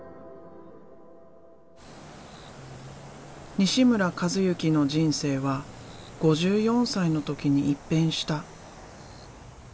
西村一幸の人生は５４歳の時に一変した。